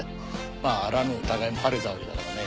まああらぬ疑いも晴れたわけだからね。